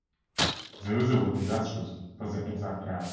The result was disastrous for the exarchate.